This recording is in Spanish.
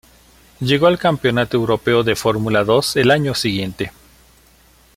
Llegó al Campeonato Europeo de Fórmula Dos al año siguiente.